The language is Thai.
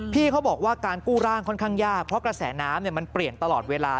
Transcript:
พี่เขาบอกว่าการกู้ร่างค่อนข้างยากเพราะกระแสน้ำมันเปลี่ยนตลอดเวลา